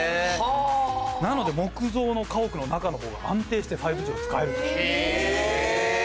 なので木造の家屋の中のほうが安定して５Ｇを使えると。